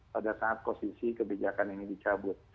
pada saat posisi kebijakan ini dicabut